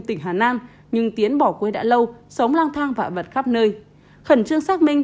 tỉnh hà nam nhưng tiến bỏ quê đã lâu sống lang thang và vật khắp nơi khẩn trương xác minh